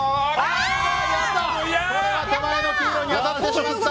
これは手前の黄色に当ってしまった！